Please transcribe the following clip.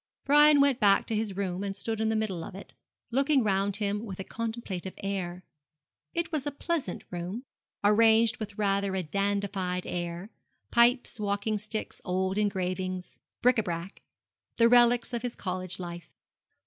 Brian went back to his room, and stood in the middle of it, looking round him with a contemplative air. It was a pleasant room, arranged with rather a dandified air pipes, walking sticks, old engravings, bric à brac the relics of his college life.